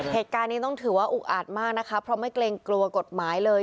เหตุการณ์นี้ต้องถือว่าอุกอาจมากนะคะเพราะไม่เกรงกลัวกฎหมายเลย